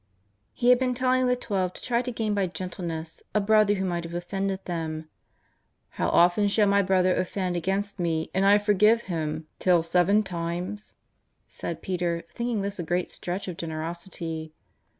He had been telling the Twelve to try to gain by gentleness a brother who might have offended them. " How often shall my brother offend against me and I forgive him ? till seven times ?" said Peter, thinking this a great stretch of generosity.